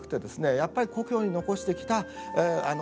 やっぱり故郷に残してきたおじいさん